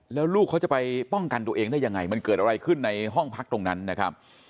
แล้วลูกเขาจะไปป้องกันตัวเองได้ยังไงมันเกิดอะไรขึ้นในห้องพักตรงนั้นนะครับ